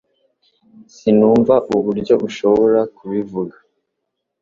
Sinumva uburyo ushobora kubivuga.